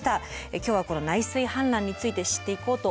今日はこの内水氾濫について知っていこうと思います。